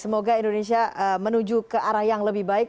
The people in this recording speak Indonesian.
semoga indonesia menuju ke arah yang lebih baik